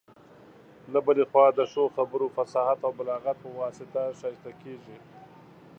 له بلي خوا د ښه خبرو، فصاحت او بلاغت په واسطه ښايسته کيږي.